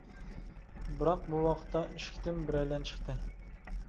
بىراق بۇ ۋاقىتتا، ئىشىكتىن بىرەيلەن چىقتى.